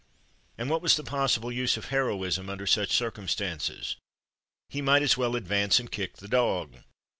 And what was the possible use of heroism under such circumstances? He might as well advance and kick the dog.